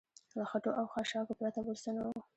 له خټو او خاشاکو پرته بل څه نه و.